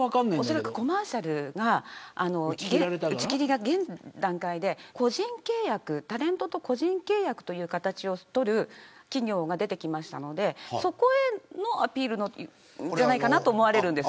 おそらくコマーシャルの打ち切りが現段階でタレントと個人契約という形をとる企業が出てきましたのでそこへのアピールじゃないかなと思われます。